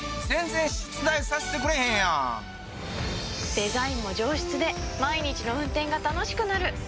デザインも上質で毎日の運転が楽しくなる！